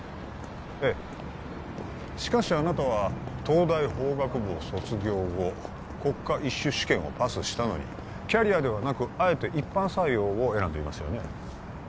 ええしかしあなたは東大法学部を卒業後国家Ⅰ種試験をパスしたのにキャリアではなくあえて一般採用を選んでいますよね